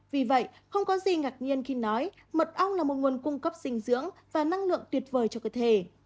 vì vậy không có gì ngạc nhiên khi nói mật ong là một nguồn cung cấp dinh dưỡng và năng lượng tuyệt vời cho cơ thể